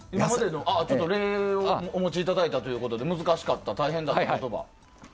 例をお持ちいただいたということで難しかった大変だった言葉。